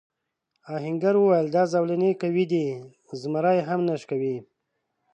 آهنګر وویل دا زولنې قوي دي زمری هم نه شکوي.